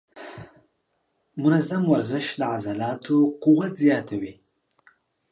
منظم ورزش د عضلاتو قوت زیاتوي.